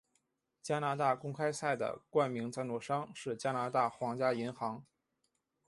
加拿大公开赛的冠名赞助商是加拿大皇家银行。